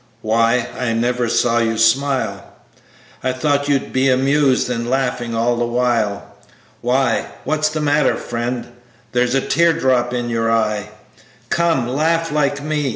Why, I never see you smile, I thought you'd be amused, and laughing all the while. Why, what's the matter, friend? There's a tear drop in you eye, Come, laugh like me.